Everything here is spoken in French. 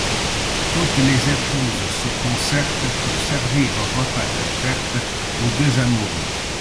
Toutes les épouses se concertent pour servir une repas de fête aux deux amoureux.